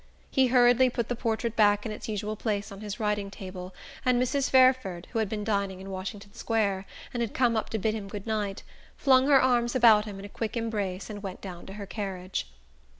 He hurriedly put the portrait back in its usual place on his writing table, and Mrs. Fairford, who had been dining in Washington Square, and had come up to bid him good night, flung her arms about him in a quick embrace and went down to her carriage.